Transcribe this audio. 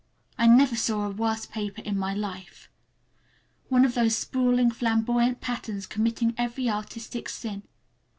I never saw a worse paper in my life. One of those sprawling flamboyant patterns committing every artistic sin.